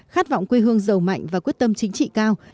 khát vọng quê hương giàu mạnh và quyết tâm chính trị cao